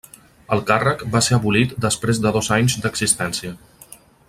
El càrrec va ser abolit després de dos anys d'existència.